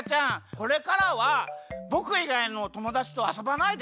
これからはぼくいがいのともだちとあそばないで。